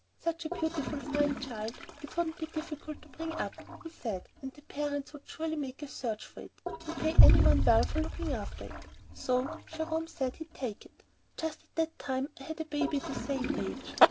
Such a beautiful, fine child it wouldn't be difficult to bring up, he said, and the parents would surely make a search for it and pay any one well for looking after it, so Jerome said he'd take it. Just at that time I had a baby the same age.